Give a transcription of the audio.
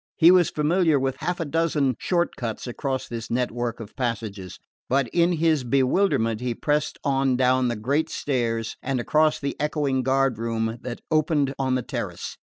He was familiar with half a dozen short cuts across this network of passages; but in his bewilderment he pressed on down the great stairs and across the echoing guard room that opened on the terrace.